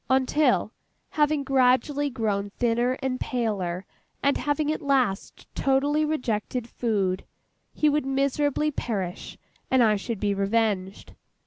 Until, having gradually grown thinner and paler, and having at last totally rejected food, he would miserably perish, and I should be revenged.